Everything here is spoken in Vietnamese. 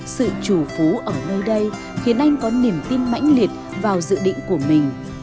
sự chủ phú ở nơi đây khiến anh có niềm tin mãnh liệt vào dự định của mình